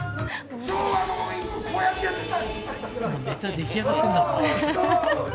昭和のウィンク、こうやってやってた。